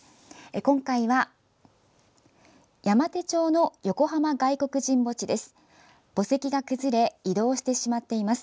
今回は山手町の横浜外国人墓地です。